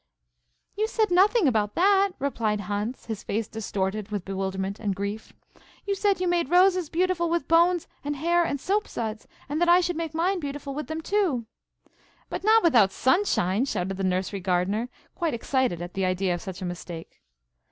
"You said nothing about that," replied Hans, his face distorted with bewilderment and grief. "You said you made roses beautiful with bones, and hair, and soap suds, and that I should make mine beautiful with them too." "But not without sunshine," shouted the nursery gardener, quite excited at the idea of such a mistake.